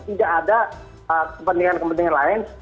tidak ada kepentingan kepentingan lain